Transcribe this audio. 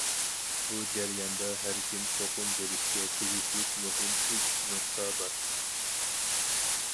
بۇ جەرياندا ھەركىم چوقۇم بىلىشكە تېگىشلىك مۇھىم ئۈچ نۇقتا بار.